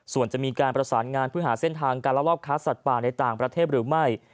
ส่วนจะมีการประสานงานเพื่อหาเส้นทางการลักลอบค้าสัตว์ป่าในต่างประเทศหรือไม่